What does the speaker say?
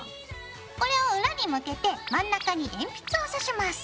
これを裏に向けて真ん中に鉛筆をさします。